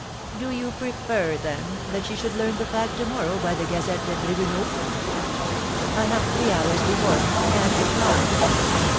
"Do you prefer, then, that she should learn the fact to morrow by the Gazette des Tribunaux." "I have three hours before me, and can fly."